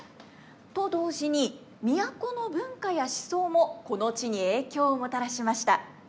と同時に都の文化や思想もこの地に影響をもたらしました。